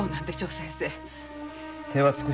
先生。